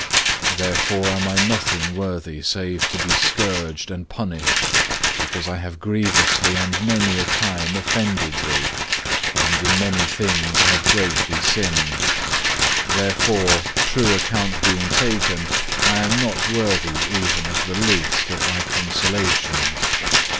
Therefore am I nothing worthy save to be scourged and punished, because I have grievously and many a time offended Thee, and in many things have greatly sinned. Therefore, true account being taken, I am not worthy even of the least of Thy consolations.